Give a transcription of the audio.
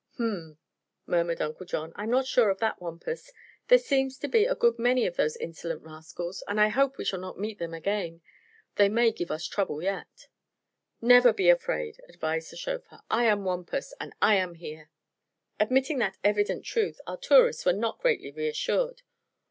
"H m," murmured Uncle John, "I'm not so sure of that, Wampus. There seems to be a good many of those insolent rascals, and I hope we shall not meet them again. They may give us trouble yet." "Never be afraid," advised the chauffeur. "I am Wampus, an' I am here!" Admitting that evident truth, our tourists were not greatly reassured.